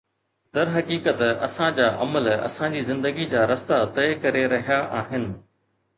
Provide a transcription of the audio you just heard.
درحقيقت، اسان جا عمل اسان جي زندگي جا رستا طئي ڪري رهيا آهن